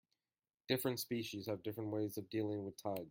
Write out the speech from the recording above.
Different species have different ways of dealing with tides.